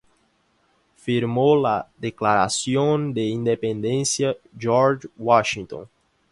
¿Firmó la Declaración de Independencia George Washington?